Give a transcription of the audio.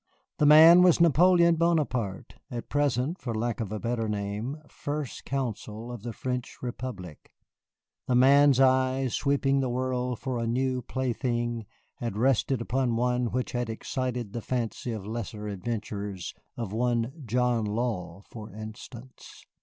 The Man was Napoleon Buonaparte, at present, for lack of a better name, First Consul of the French Republic. The Man's eye, sweeping the world for a new plaything, had rested upon one which had excited the fancy of lesser adventurers, of one John Law, for instance.